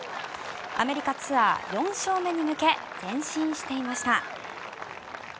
アメリカツアー４勝目に向け前進していました。